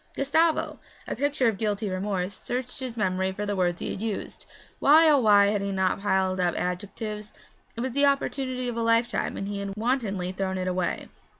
Gustavo, a picture of guilty remorse, searched his memory for the words he had used. Why, oh why, had he not piled up adjectives? It was the opportunity of a lifetime, and he had wantonly thrown it away.